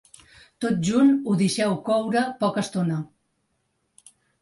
Tot junt, ho deixeu coure poca estona.